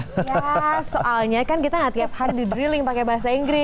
iya soalnya kan kita gak tiap hari di drilling pakai bahasa inggris